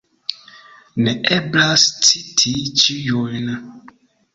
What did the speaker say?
Neeblas citi ĉiujn.